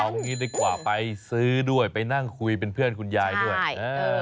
เอางี้ดีกว่าไปซื้อด้วยไปนั่งคุยเป็นเพื่อนคุณยายด้วยเออ